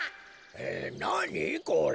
えなにこれ？